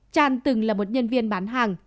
chan từng là một nhân viên bán hàng